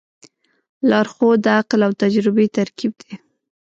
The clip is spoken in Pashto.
لارښود د عقل او تجربې ترکیب دی.